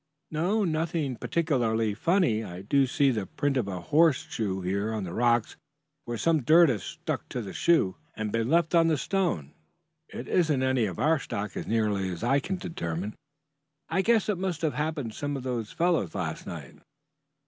"No, nothing particularly funny. I do see the print of a horseshoe here on the rocks where some dirt has stuck to the shoe and been left on the stone. It isn't any of our stock as nearly as I can determine. I guess it must have been some of those fellows last night.